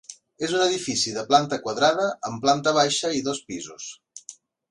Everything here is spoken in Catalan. És un edifici de planta quadrada amb planta baixa i dos pisos.